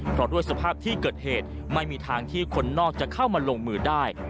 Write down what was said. เพราะด้วยสภาพที่เกิดเหตุไม่มีทางที่คนนอกจะเข้ามาลงมือได้